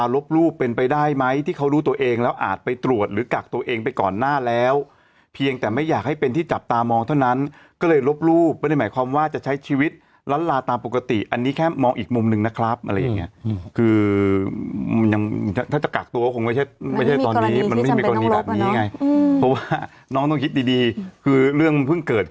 ลบรูปเป็นไปได้ไหมที่เขารู้ตัวเองแล้วอาจไปตรวจหรือกักตัวเองไปก่อนหน้าแล้วเพียงแต่ไม่อยากให้เป็นที่จับตามองเท่านั้นก็เลยลบรูปไม่ได้หมายความว่าจะใช้ชีวิตล้านลาตามปกติอันนี้แค่มองอีกมุมหนึ่งนะครับอะไรอย่างเงี้ยคือมันยังถ้าจะกักตัวก็คงไม่ใช่ไม่ใช่ตอนนี้มันไม่มีกรณีแบบนี้ไงเพราะว่าน้องต้องคิดดีดีคือเรื่องมันเพิ่งเกิด